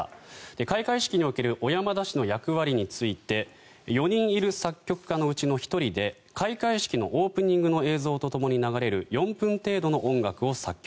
開会式における小山田氏の役割について４人いる作曲家のうちの１人で開会式のオープニングの映像とともに流れる４分程度の音楽を作曲。